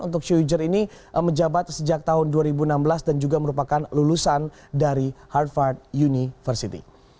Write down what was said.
untuk syuger ini menjabat sejak tahun dua ribu enam belas dan juga merupakan lulusan dari harvard university